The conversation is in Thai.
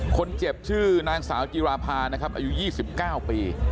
คนเจ็บชื่อนางสาวจิราภานะครับอายุ๒๙ปี